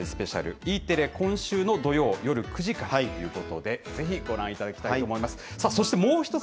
スペシャル、Ｅテレ、今週の土曜夜９時からということで、ぜひご覧いただきたいと思います。